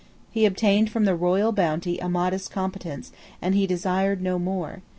He obtained from the royal bounty a modest competence; and he desired no more.